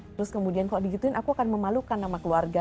terus kemudian kalau digituin aku akan memalukan sama keluarga